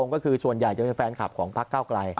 ก็คือส่วนใหญ่จะเป็นแฟนคลับของพักเก้าไกล